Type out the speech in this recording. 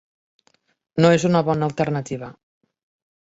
No és una bona alternativa.